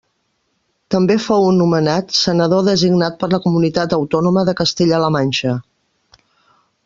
També fou nomenat senador designat per la comunitat autònoma de Castella-la Manxa.